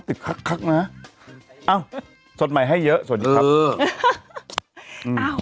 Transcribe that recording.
คักคักนะเอ้าสดใหม่ให้เยอะสวัสดีครับเออ